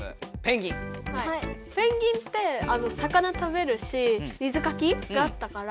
ペンギンって魚食べるし水かきがあったから。